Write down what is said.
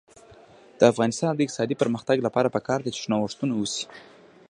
د افغانستان د اقتصادي پرمختګ لپاره پکار ده چې نوښتونه وشي.